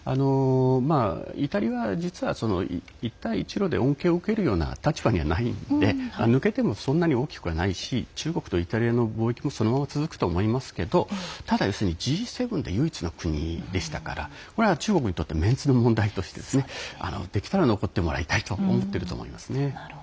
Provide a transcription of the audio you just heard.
イタリアは実は一帯一路で恩恵を受けるような立場にはないので抜けてもそんなに大きくはないし中国とイタリアの貿易もそのまま続くと思いますけどただ、要するにＧ７で唯一の国でしたからこれは中国にとってメンツの問題としてできたら残ってもらいたいと思っていると思いますね。